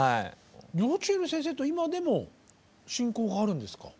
幼稚園の先生と今でも親交があるんですか？